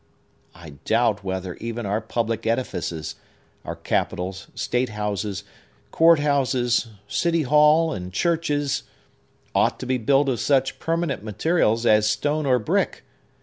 I doubt whether even our public edifices—our capitols, state houses, court houses, city hall, and churches,—ought to be built of such permanent materials as stone or brick.